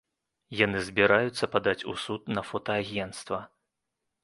Яны збіраюцца падаць у суд на фотаагенцтва.